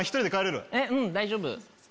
うん大丈夫。